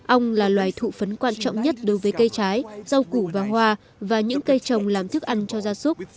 ong là loài thụ phấn quan trọng nhất đối với cây trái rau củ và hoa và những cây trồng làm thức ăn cho gia súc